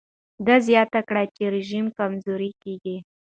ده زیاته کړه چې رژیم کمزوری کېږي.